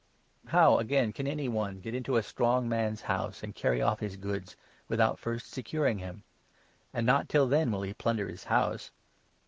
How, again, can any one 29 get into a strong man's house and carry off his goods, without first securing him ? And not till then will he plunder his house.